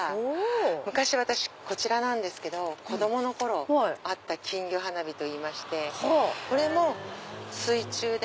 昔こちらなんですけど子供の頃あった金魚花火といいましてこれも水中で。